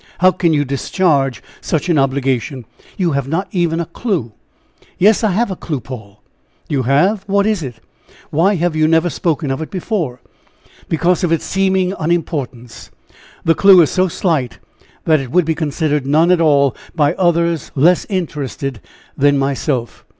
How can you discharge such an obligation? You have not even a clue!" "Yes, I have a clue, Paul." "You have? What is it? Why have you never spoken of it before?" "Because of its seeming unimportance. The clue is so slight, that it would be considered none at all, by others less interested than myself."